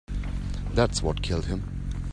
That's what killed him.